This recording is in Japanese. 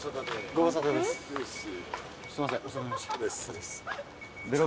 ご無沙汰です。